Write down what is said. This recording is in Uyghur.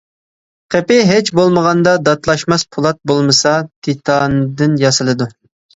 قېپى ھېچ بولمىغاندا داتلاشماس پولات بولمىسا تىتاندىن ياسىلىدۇ.